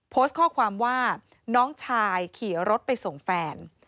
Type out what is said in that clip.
โพสต์ข้อความว่าน้องชายขี่รถไปส่งแฟน